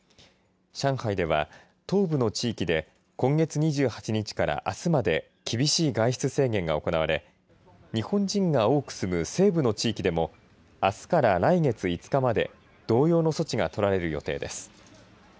上海では東部の地域で今月２８日から、あすまで厳しい外出制限が行われ日本人が多く住む西部の地域でもあすから来月５日まで同様の措置がとられる予定です。